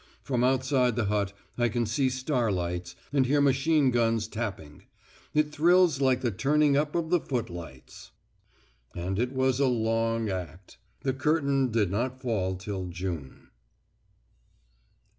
From outside the hut I can see star lights, and hear machine guns tapping. It thrills like the turning up of the footlights." And it was a long act. The curtain did not fall till June.